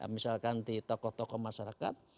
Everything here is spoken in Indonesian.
misalkan di tokoh tokoh masyarakat